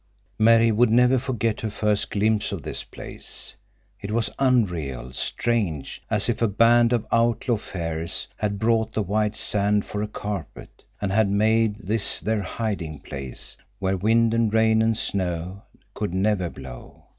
Mary would never forget her first glimpse of this place; it was unreal, strange, as if a band of outlaw fairies had brought the white sand for a carpet, and had made this their hiding place, where wind and rain and snow could never blow.